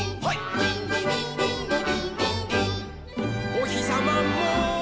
「おひさまも」